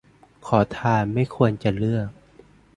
ขอทานไม่ควรจะเลือก